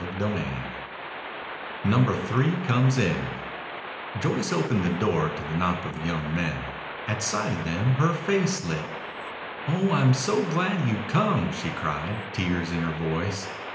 CHAPTER XXII NUMBER THREE COMES IN Joyce opened the door to the knock of the young men. At sight of them her face lit. "Oh, I'm so glad you've come!" she cried, tears in her voice.